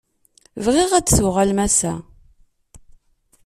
Bɣiɣ ad tuɣalem ass-a.